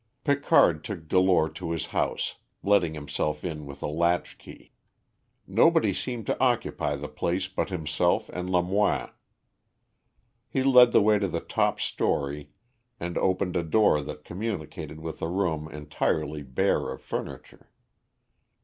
Picard took Delore to his house, letting himself in with a latchkey. Nobody seemed to occupy the place but himself and Lamoine. He led the way to the top story, and opened a door that communicated with a room entirely bare of furniture.